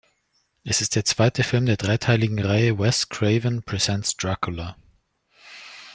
Es ist der zweite Film der dreiteiligen Reihe „Wes Craven Presents Dracula“.